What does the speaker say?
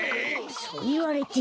そういわれても。